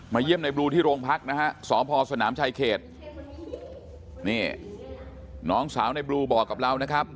เยี่ยมในบลูที่โรงพักนะฮะสพสนามชายเขตนี่น้องสาวในบลูบอกกับเรานะครับ